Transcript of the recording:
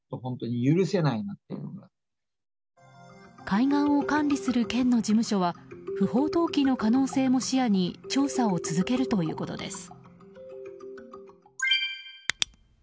海岸を管理する県の事務所は不法投棄の可能性も視野に調査を続けるということです。